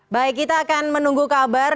baik kita akan menunggu kabar